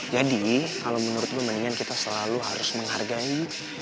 jadi kalau menurut gue mendingan kita selalu harus menghargai